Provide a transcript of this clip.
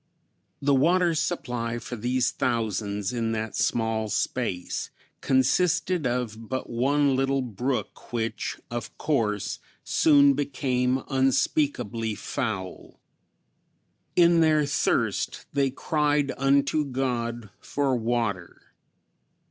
The water supply for these thousands in that small space consisted of but one little brook which of course soon became unspeakably foul. In their thirst they cried unto God for water.